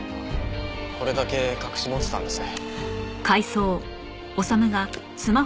これだけ隠し持ってたんです。